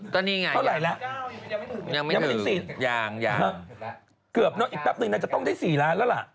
ตอนนี้ไงยังเกือบนะอีกแป๊บหนึ่งน่ะจะต้องได้๔ล้านแล้วล่ะ